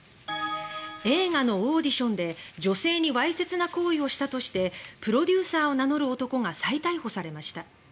映画のオーディションで女性にわいせつな行為をしたとしてプロデューサーを名乗る男が再逮捕されました。